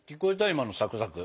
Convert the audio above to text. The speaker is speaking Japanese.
今のサクサク。